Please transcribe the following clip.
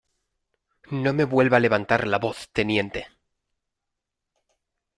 no me vuelva a levantar la voz, teniente.